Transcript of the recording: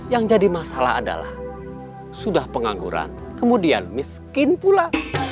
yang jadi masalah adalah sudah pengangguran kemudian miskin pula